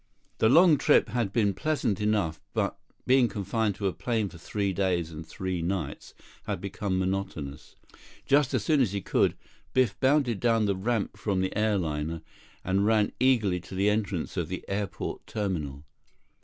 The long trip had been pleasant enough, but being confined to a plane for three days and three nights had become monotonous. Just as soon as he could, Biff bounded down the ramp from the airliner and ran eagerly to the entrance of the airport terminal.